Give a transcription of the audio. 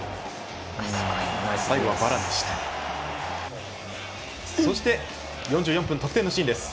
最後はバランでした。